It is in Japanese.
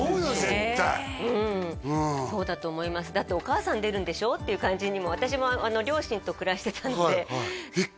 絶対うんそうだと思いますだってお母さん出るんでしょ？っていう感じにも私も両親と暮らしてたのでえっ